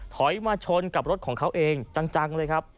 ถอยมาชนกับรถของเขาเองจังเลยครับ